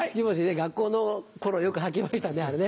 学校の頃よく履きましたねあれね。